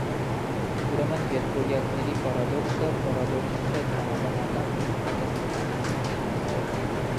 Ուրեմն երկվորյակների պարադոքսը պարադոքս չէ տրամաբանական հակասականության իմաստով։